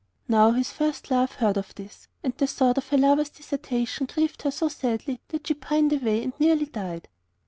Now, his first love heard of this, and the thought of her lover's desertion grieved her so sadly that she pined away and nearly died.